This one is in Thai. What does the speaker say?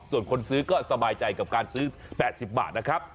ส่วนคนซื้อก็สบายใจกับการซื้อ๘๐บาทนะครับ